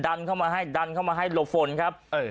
เข้ามาให้ดันเข้ามาให้หลบฝนครับ